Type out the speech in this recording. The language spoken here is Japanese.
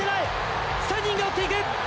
３人が追っていく。